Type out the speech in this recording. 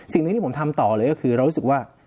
สิ่งหนึ่งที่ผมทำต่อเลยก็คือเรารู้สึกว่า